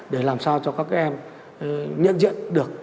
để làm sao cho các em nhận diện được